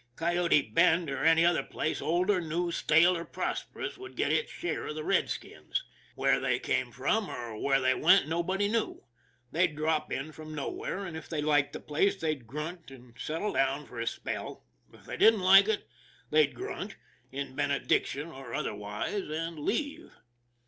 Coyote Bend, or any other place, old or new, stale or prosperous, would get its share of the redskins. Where they came from or where they went nobody knew. They'd drop in from nowhere, and, if they liked the place, they'd grunt and settle down for a spell; if they didn't like it, they'd grunt, in benediction or otherwise, and leave.